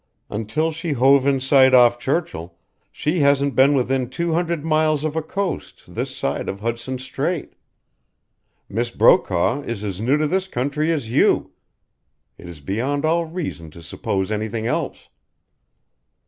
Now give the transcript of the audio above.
Until she hove in sight off Churchill she hasn't been within two hundred miles of a coast this side of Hudson's Strait. Miss Brokaw is as new to this country as you. It is beyond all reason to suppose anything else."